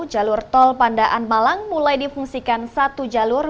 jalur tol pandaan malang mulai difungsikan satu jalur